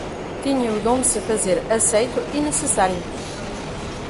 Tinha o dom de se fazer aceito e necessário;